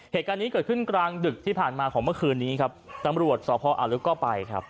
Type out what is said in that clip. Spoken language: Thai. เหตุการณ์นี้เกิดขึ้นกลางดึกที่ผ่านมาของเมื่อคืนนี้ครับตำรวจสพอ่าวลึกก็ไปครับ